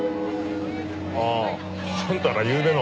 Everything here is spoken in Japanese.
あああんたらゆうべの。